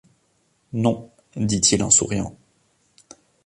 Non, dit-il en souriant.